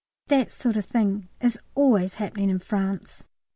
That sort of thing is always happening in France.